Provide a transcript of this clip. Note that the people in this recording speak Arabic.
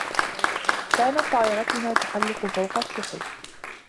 كانت طائرتنا تحلق فوق السحب.